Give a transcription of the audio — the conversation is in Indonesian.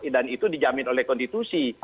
dan itu dijamin oleh konstitusi